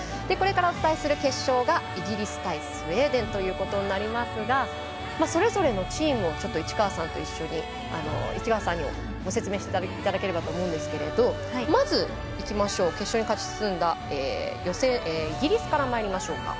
これからお伝えする決勝がイギリス対スウェーデンということになりますがそれぞれのチームを市川さんにご説明させていただければと思うんですけどまず、決勝に勝ち進んだイギリスからまいりましょう。